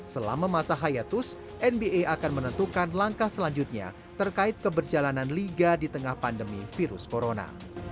selama masa hayatus nba akan menentukan langkah selanjutnya terkait keberjalanan liga di tengah pandemi virus corona